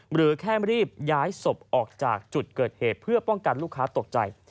หรือแค่รีบย้ายศพออกจากจุดเกิดเหตุเพื่อป้องกันลูกค้าตกใจ